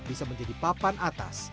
bisa menjadi papan atas